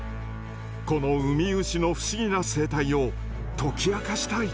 このウミウシの不思議な生態を解き明かしたい。